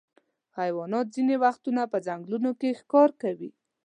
حیوانات ځینې وختونه په ځنګلونو کې ښکار کوي.